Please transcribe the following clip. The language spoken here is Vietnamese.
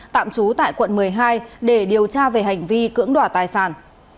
tạm trú tại quận một mươi hai để điều tra về hành vi cưỡng đỏ tài sản